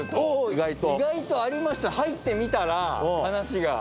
意外とありました入ってみたら話が。